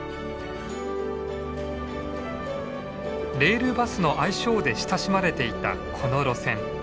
レールバスの愛称で親しまれていたこの路線。